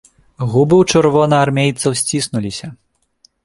Губы ў чырвонаармейцаў сціснуліся.